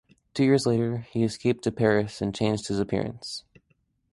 Two years later, he escaped to Paris and changed his appearance.